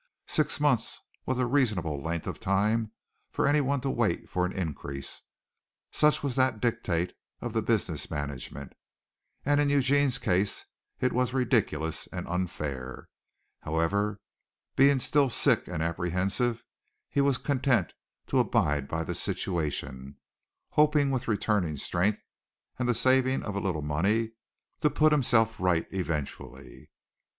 Six months was a reasonable length of time for anyone to wait for an increase such was the dictate of the business management and in Eugene's case it was ridiculous and unfair. However, being still sick and apprehensive, he was content to abide by the situation, hoping with returning strength and the saving of a little money to put himself right eventually.